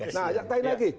nah yang lain lagi